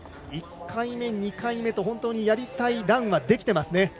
１回目、２回目と本当にやりたいランはできていますね。